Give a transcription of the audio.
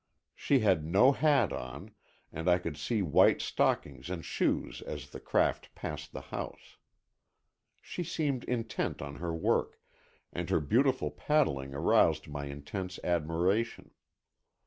She had no hat on, and I could see white stockings and shoes as the craft passed the house. She seemed intent on her work, and her beautiful paddling aroused my intense admiration.